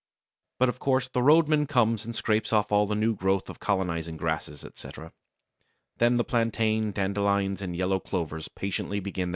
But of course the roadman comes and scrapes off all the new growth of colonizing grasses, etc. Then the plantains, dandelions, and yellow clovers patiently begin their work again.